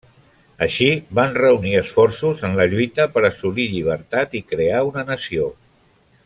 Així, van reunir esforços en la lluita per assolir llibertat i crear una nació.